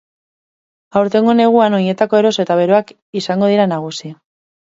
Aurtengo neguan oinetako eroso eta beroak izango dira nagusi.